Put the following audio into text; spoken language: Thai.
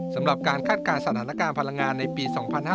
สำหรับการคาดการณ์สถานการณ์พลังงานในปี๒๕๕๙